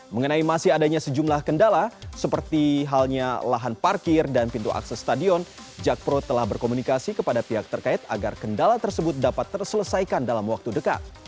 mengenai masih adanya sejumlah kendala seperti halnya lahan parkir dan pintu akses stadion jakpro telah berkomunikasi kepada pihak terkait agar kendala tersebut dapat terselesaikan dalam waktu dekat